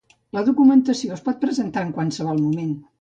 La documentació es pot presentar en qualsevol moment.